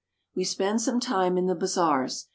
We spend some time in the bazaars.